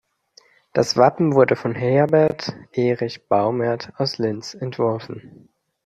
Das Wappen wurde von Herbert Erich Baumert aus Linz entworfen.